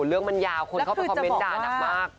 เรื่องมันยาวคนเข้ามาคอมเม้นต์กระดับโดดมาก